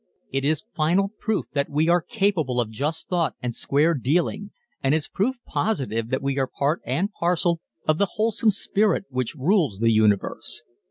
_ It is final proof that we are capable of just thought and square dealing, and is proof positive that we are part and parcel of the wholesome spirit which rules the universe.